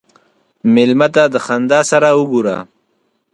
مېلمه ته د خندا سره وګوره.